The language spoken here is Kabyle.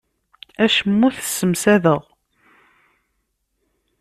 Acemma ur t-ssemsadeɣ.